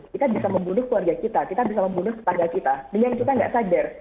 kita bisa membunuh keluarga kita kita bisa membunuh tetangga kita dengan kita nggak sadar